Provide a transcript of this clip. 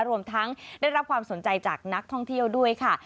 รวมทั้งได้รับความสนใจจากนักท่องเที่ยวด้วยค่ะ